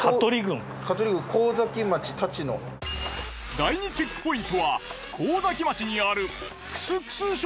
第２チェックポイントは神崎町にあるくすくす笑